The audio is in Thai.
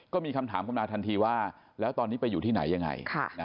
ก็มีคำถามขึ้นมาทันทีว่าแล้วตอนนี้ไปอยู่ที่ไหนยังไง